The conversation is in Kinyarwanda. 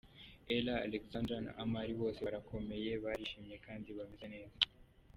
Ella, Alexander na Amal bose barakomeye, barishimye kandi bameze neza.